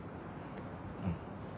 うん。